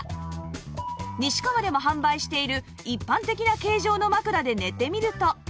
西川でも販売している一般的な形状の枕で寝てみると